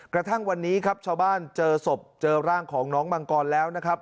กระทั่งวันนี้ครับชาวบ้านเจอศพเจอร่างของน้องมังกรแล้วนะครับ